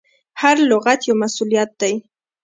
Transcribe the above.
هر لغت یو مسؤلیت دی.